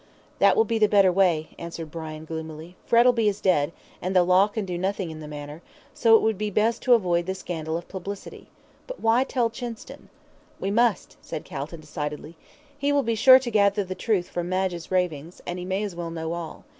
"That will be the better way," answered Brian, gloomily. "Frettlby is dead, and the law can do nothing in the matter, so it would be best to avoid the scandal of publicity. But why tell Chinston?" "We must," said Calton, decidedly. "He will be sure to gather the truth from Madge's ravings, and he may as well know all.